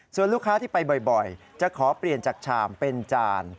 ส่วนลูกค้าที่ไปบ่อยจะขอเปลี่ยนจากชามเป็นจาน